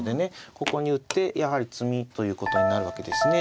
ここに打ってやはり詰みということになるわけですね。